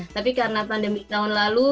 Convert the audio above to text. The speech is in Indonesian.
tapi karena pandemi tahun lalu